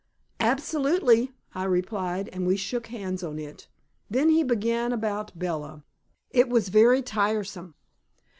"Absolutely," I replied, and we shook hands on it. Then he began about Bella; it was very tiresome.